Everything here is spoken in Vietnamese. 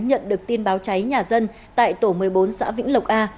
nhận được tin báo cháy nhà dân tại tổ một mươi bốn xã vĩnh lộc a